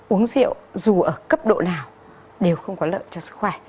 uống rượu dù ở cấp độ nào đều không có lợi cho sức khỏe